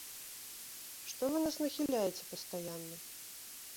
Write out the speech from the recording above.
Што вы нас нахіляеце пастаянна?